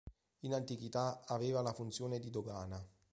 In antichità aveva la funzione di dogana.